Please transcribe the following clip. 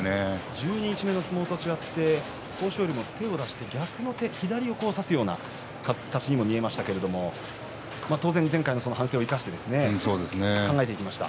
十二日目の相撲と違って豊昇龍は逆の形にも見えましたけれど当然、前回の反省を生かして考えていきました。